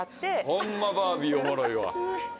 ホンマバービーおもろいわ。